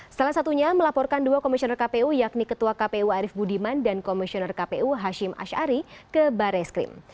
salah satunya melaporkan dua komisioner kpu yakni ketua kpu arief budiman dan komisioner kpu hashim ⁇ shari ke barreskrim